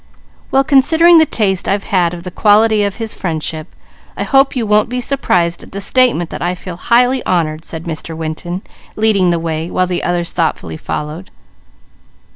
"Well considering the taste I've had of the quality of his friendship, I hope you won't be surprised at the statement that I feel highly honoured," said Mr. Winton, leading the way, while the others thoughtfully followed.